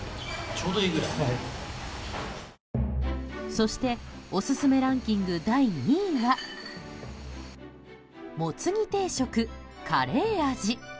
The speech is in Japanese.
そして、オススメランキング第２位はもつ煮定食カレー味。